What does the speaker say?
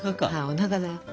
おなかだよ。